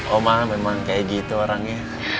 oma memang kayak gitu orangnya